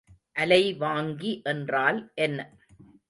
அலைவாங்கி என்றால் என்ன?